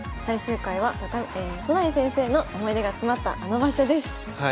最終回は都成先生の思い出が詰まったあの場所です。